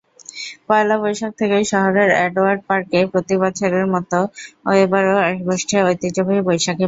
পয়লা বৈশাখ থেকেই শহরের এডওয়ার্ড পার্কে প্রতিবছরের মতো এবারও বসছে ঐতিহ্যবাহী বৈশাখী মেলা।